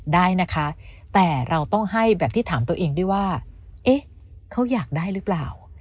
ได้นะคะแต่เราต้องให้แบบที่ถามตัวเองด้วยว่าเอ๊ะเขาอยากได้หรือเปล่า